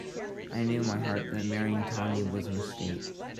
I knew in my heart that marrying Tawny was a mistake.